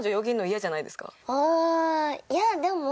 ああいやでも。